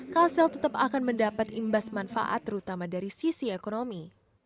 kalsel tetap akan mendapat imbas manfaat terutama dari sisi ekonomi